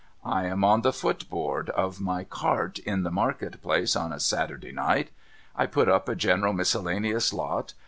I am on the foothoard of my cart in the market place, on a Saturday night. I put up a general miscellaneous lot.